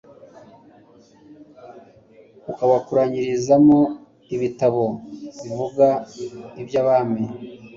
akabukoranyirizamo ibitabo bivuga iby'abami